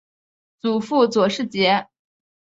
祖父左世杰。